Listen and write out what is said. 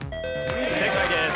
正解です。